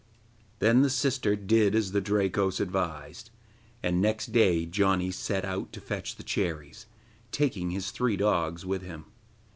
Then the sister did as the Drakos advised, and next day Janni set out to fetch the cherries, taking his three dogs with him.